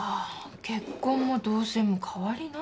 結婚も同棲も変わりないんだ。